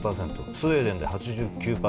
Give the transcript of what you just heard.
スウェーデンで８９％